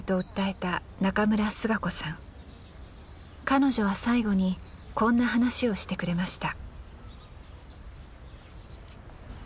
彼女は最後にこんな話をしてくれました